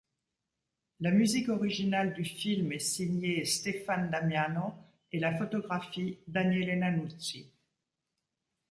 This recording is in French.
La musique originale du film est signée Stéphane Damiano et la photographie Daniele Nannuzzi.